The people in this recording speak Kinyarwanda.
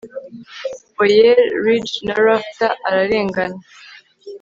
Oer ridge na rafter ararengana